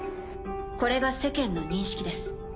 これが世間の認識です。